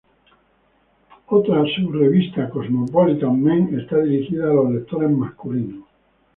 Otra sub-revista, "Cosmopolitan Men", está dirigida a los lectores masculinos.